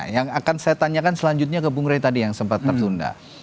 yang akan saya tanyakan selanjutnya ke bung rey tadi yang sempat tertunda